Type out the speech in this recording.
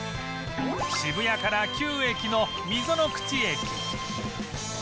渋谷から９駅の溝の口駅